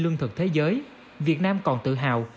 lương thực thế giới việt nam còn tự hào